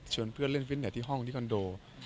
เพื่อนเล่นฟิตเน็ตที่ห้องที่คอนโด